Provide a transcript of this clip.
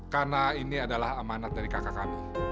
karena ini adalah amanat dari kakak kami